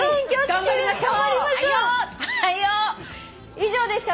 以上でした。